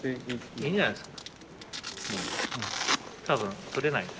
いいんじゃないですか。